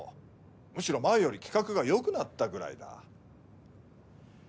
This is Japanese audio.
むしろ前より企画が良くなったぐらいだ。